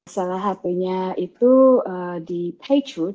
salah satunya itu di paytude